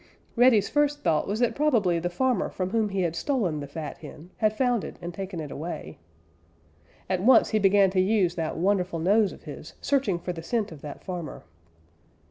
Reddy's first thought was that probably the farmer from whom he had stolen the fat hen had found it and taken it away. At once he began to use that wonderful nose of his searching for the scent of that farmer.